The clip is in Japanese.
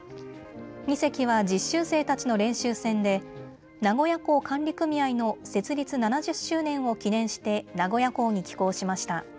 ２隻は実習生たちの練習船で名古屋港管理組合の設立７０周年を記念して名古屋港に寄港しました。